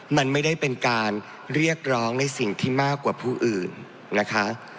มันไม่ได้เป็นการเรียกร้องในสิ่งที่มากกว่าผู้อื่นนะคะ